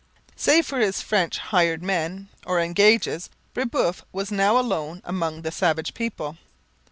Save for his French hired men, or engages, Brebeuf was now alone among the savage people.